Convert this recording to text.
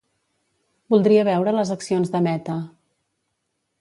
Voldria veure les accions de Meta.